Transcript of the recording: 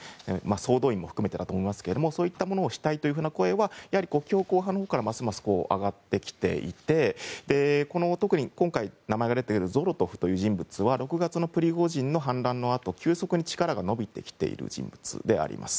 総動員も含めてだと思いますがそういったものをしたいという声は強硬派からますます上がってきていて特に今回名前が出ているゾロトフという人物は６月のプリゴジンの反乱のあと急速に力が伸びてきている人物です。